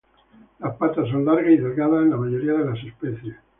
Las patas son largas y delgadas en la mayoría de las especies.